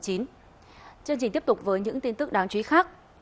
chương trình tiếp tục với những tin tức đáng chú ý khác